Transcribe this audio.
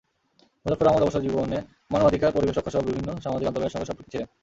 মোজাফ্ফর আহমদ অবসরজীবনে মানবাধিকার, পরিবেশ রক্ষাসহ বিভিন্ন সামাজিক আন্দোলনের সঙ্গে সম্পৃক্ত ছিলেন।